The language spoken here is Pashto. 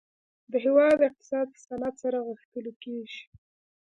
د هیواد اقتصاد په صنعت سره غښتلی کیږي